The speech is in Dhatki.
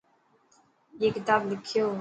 ائي ڪتاب لکيو.